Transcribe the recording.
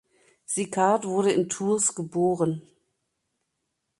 Sicard wurde in Tours geboren.